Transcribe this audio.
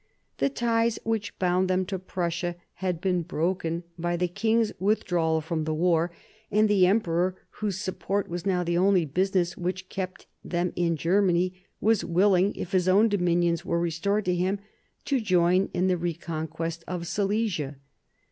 The ties which bound them to Prussia had been broken by the 1743 45 WAR OF SUCCESSION 31 king's withdrawal from the war; and the emperor, whose support was now the only business which kept them in Germany, was willing, if his own dominions were restored to him, to join in the reconquest of Silesia.